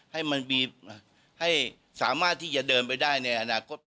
ให้มันมีให้สามารถที่จะเดินไปได้ในอนาคต